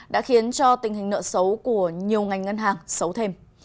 đã khiến cho tình hình nợ xấu của nhiều ngành ngân hàng xấu thêm